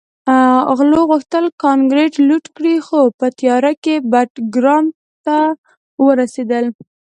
غلو غوښتل کانګړه لوټ کړي خو په تیاره کې بټګرام ته ورسېدل